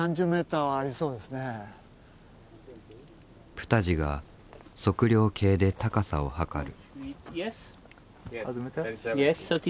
プタジが測量計で高さを測る。